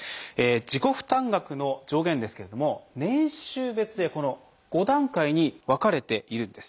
自己負担額の上限ですけれども年収別で５段階に分かれているんです。